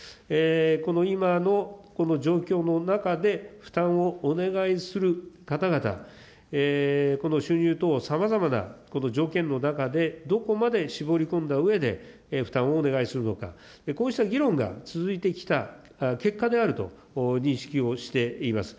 この今の、この状況の中で負担をお願いする方々、この収入等、さまざまな条件の中でどこまで絞り込んだうえで、負担をお願いするのか、こうした議論が続いてきた結果であると認識をしています。